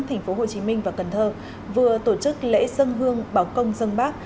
thành phố hồ chí minh và cần thơ vừa tổ chức lễ dân hương báo công dân bác